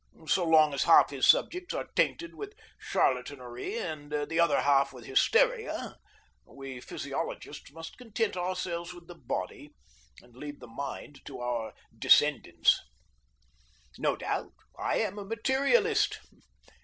So long as half his subjects are tainted with charlatanerie and the other half with hysteria we physiologists must content ourselves with the body and leave the mind to our descendants. No doubt I am a materialist.